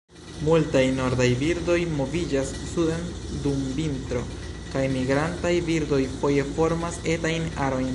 Multaj nordaj birdoj moviĝas suden dum vintro, kaj migrantaj birdoj foje formas etajn arojn.